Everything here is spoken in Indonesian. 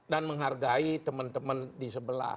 dan menghargai teman teman di sebelah